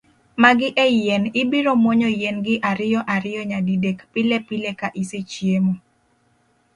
Magi e yien, ibiro muonyo yien gi ariyo ariyo nyadi dek, pilepile ka isechiemo.